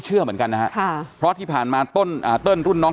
เชื่อเหมือนกันนะฮะค่ะเพราะที่ผ่านมาเติ้ลรุ่นน้อง